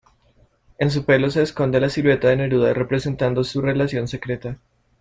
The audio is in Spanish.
En su pelo se esconde la silueta de Neruda, representando su relación secreta.